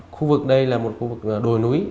khu vực đây là một khu vực đồi núi